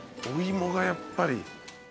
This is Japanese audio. お芋がやっぱり。